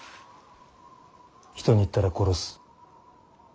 人に言ったら殺す。